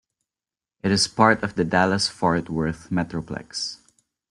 It is part of the Dallas-Fort Worth metroplex.